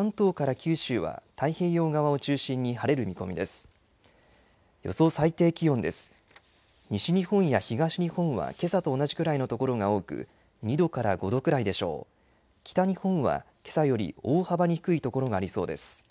北日本は、けさより大幅に低いところがありそうです。